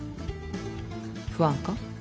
不安か？